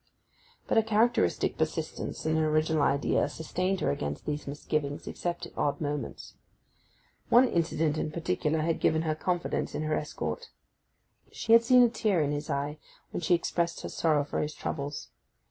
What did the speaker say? But her characteristic persistence in an original idea sustained her against these misgivings except at odd moments. One incident in particular had given her confidence in her escort: she had seen a tear in his eye when she expressed her sorrow for his troubles.